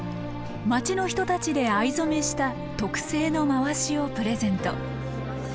町の人たちで藍染めした特製のまわしをプレゼント。